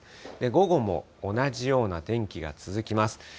午後も同じような天気が続きます。